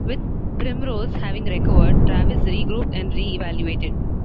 With Primrose having recovered, Travis regrouped and re-evaluated.